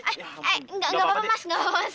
eh enggak enggak apa apa mas